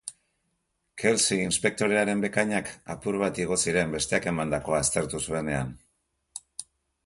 Kelsey inspektorearen bekainak apur bat igo ziren besteak emandakoa aztertu zuenean.